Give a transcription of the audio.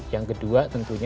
yang kedua tentunya